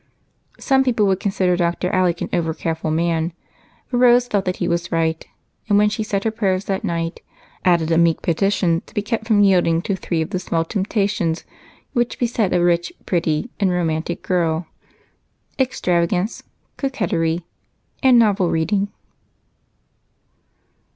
Some people would consider Dr. Alec an overcareful man, but Rose felt that he was right, and when she said her prayers that night, added a meek petition to be kept from yielding to three of the small temptations which beset a rich, pretty, and romantic girl extravagance, coquetry, and novel reading.